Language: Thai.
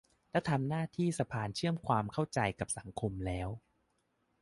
และทำหน้าที่สะพานเชื่อมความเข้าใจกับสังคมแล้ว